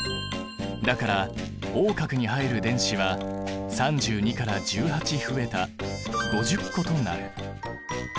だからＯ殻に入る電子は３２から１８増えた５０個となる。